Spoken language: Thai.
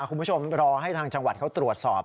คุณผู้ชมรอให้ทางจังหวัดเขาตรวจสอบ